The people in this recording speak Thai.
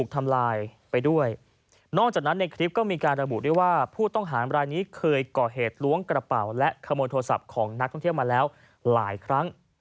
ตอนนี้เคยก่อเหตุล้วงกระเป๋าและคำว่าโทรศัพท์ของนักท่องเที่ยวมาแล้วหลายครั้ง